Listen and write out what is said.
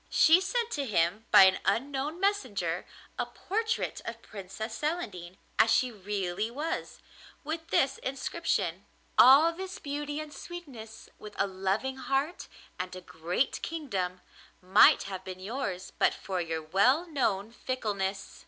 She sent to him by an unknown messenger a portrait of Princess Celandine as she really was, with this inscription: 'All this beauty and sweetness, with a loving heart and a great kingdom, might have been yours but for your well known fickleness.